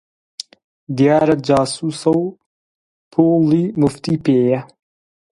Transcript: دیارە جاسووسە و پووڵی موفتی پێیە!